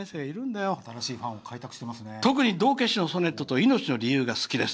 特に「道化師のソネット」と「いのちの理由」が好きです。